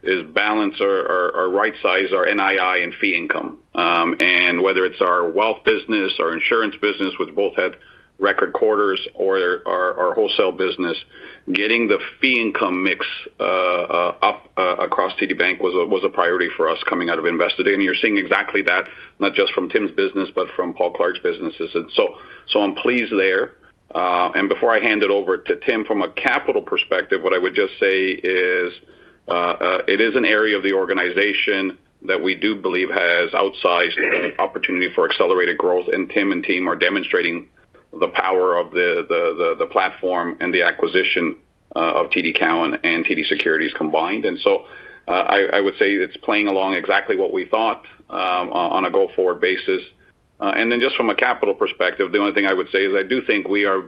is balance or right size our NII and fee income. Whether it's our wealth business, our insurance business, which both had record quarters or our Wholesale business, getting the fee income mix up across TD Bank was a priority for us coming out of Investor Day. You're seeing exactly that, not just from Tim's business, but from Paul Clark's businesses. I'm pleased there. Before I hand it over to Tim, from a capital perspective, what I would just say is, it is an area of the organization that we do believe has outsized opportunity for accelerated growth, Tim and team are demonstrating the power of the platform and the acquisition of TD Cowen and TD Securities combined. I would say it's playing along exactly what we thought on a go-forward basis. Then just from a capital perspective, the only thing I would say is I do think we are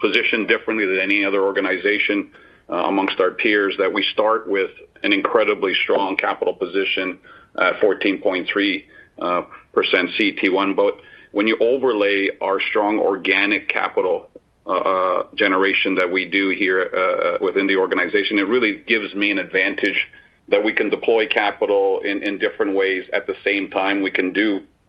positioned differently than any other organization amongst our peers, that we start with an incredibly strong capital position at 14.3% CET1. When you overlay our strong organic capital generation that we do here within the organization, it really gives me an advantage that we can deploy capital in different ways. At the same time, we can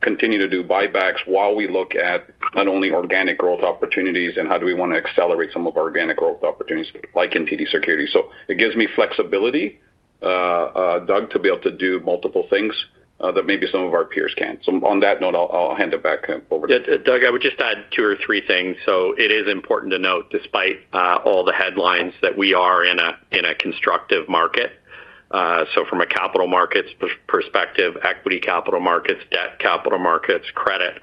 continue to do buybacks while we look at not only organic growth opportunities and how do we want to accelerate some of our organic growth opportunities like in TD Securities. It gives me flexibility, Doug, to be able to do multiple things that maybe some of our peers can't. On that note, I'll hand it back over to Tim. Doug, I would just add two or three things. It is important to note, despite all the headlines, that we are in a constructive market. From a capital markets perspective, equity capital markets, debt capital markets, credit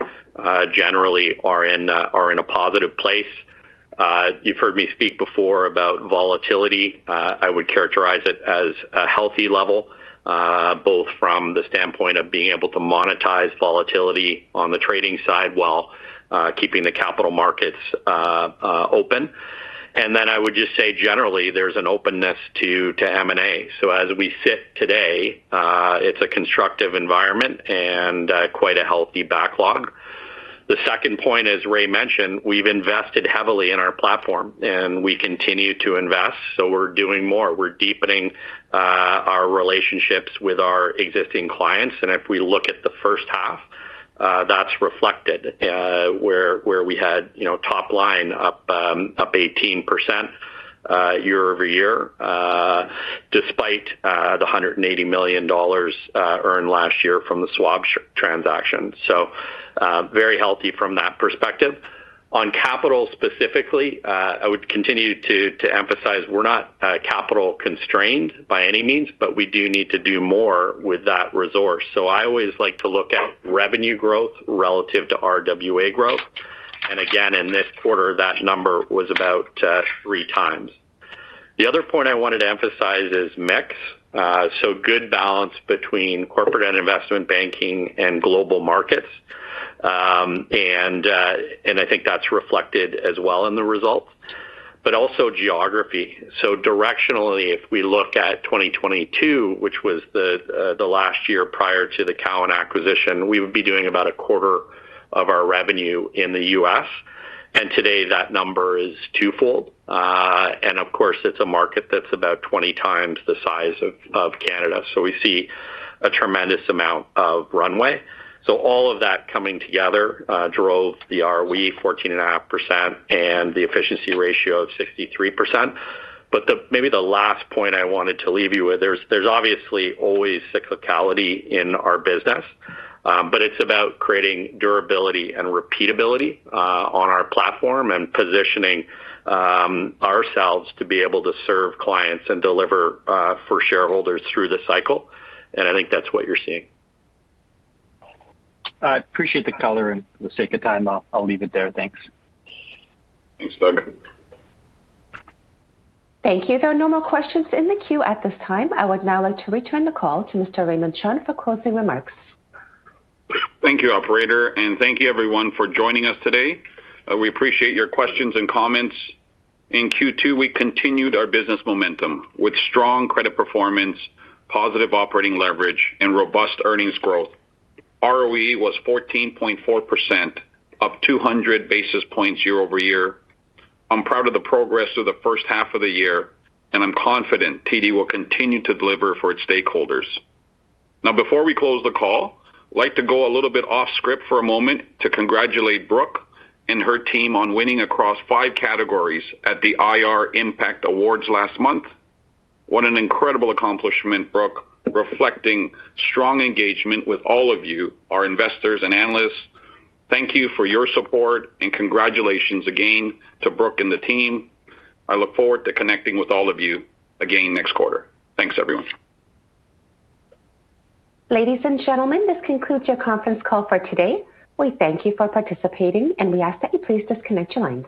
generally are in a positive place. You've heard me speak before about volatility. I would characterize it as a healthy level, both from the standpoint of being able to monetize volatility on the trading side while keeping the capital markets open. I would just say generally, there's an openness to M&A. As we sit today, it's a constructive environment and quite a healthy backlog. The second point, as Ray mentioned, we've invested heavily in our platform and we continue to invest. We're doing more. We're deepening our relationships with our existing clients, if we look at the first half, that's reflected where we had top line up 18% year-over-year despite the 180 million dollars earned last year from the swaps transaction. Very healthy from that perspective. On capital specifically, I would continue to emphasize we're not capital constrained by any means, we do need to do more with that resource. I always like to look at revenue growth relative to RWA growth. Again, in this quarter, that number was about 3x. The other point I wanted to emphasize is mix. Good balance between corporate and investment banking and global markets. I think that's reflected as well in the results, but also geography. Directionally, if we look at 2022, which was the last year prior to the Cowen acquisition, we would be doing about a quarter of our revenue in the U.S., and today that number is twofold. Of course, it's a market that's about 20 times the size of Canada. We see a tremendous amount of runway. All of that coming together drove the ROE 14.5% and the efficiency ratio of 63%. Maybe the last point I wanted to leave you with, there's obviously always cyclicality in our business. It's about creating durability and repeatability on our platform and positioning ourselves to be able to serve clients and deliver for shareholders through the cycle. I think that's what you're seeing. I appreciate the color and for the sake of time, I'll leave it there. Thanks. Thanks, Doug. Thank you. There are no more questions in the queue at this time. I would now like to return the call to Mr. Raymond Chun for closing remarks. Thank you, operator, and thank you everyone for joining us today. We appreciate your questions and comments. In Q2, we continued our business momentum with strong credit performance, positive operating leverage, and robust earnings growth. ROE was 14.4%, up 200 basis points year-over-year. I'm proud of the progress of the first half of the year, and I'm confident TD will continue to deliver for its stakeholders. Now, before we close the call, like to go a little bit off script for a moment to congratulate Brooke and her team on winning across five categories at the IR Impact Awards last month. What an incredible accomplishment, Brooke, reflecting strong engagement with all of you, our investors and analysts. Thank you for your support and congratulations again to Brooke and the team. I look forward to connecting with all of you again next quarter. Thanks, everyone. Ladies and gentlemen, this concludes your conference call for today. We thank you for participating, and we ask that you please disconnect your lines.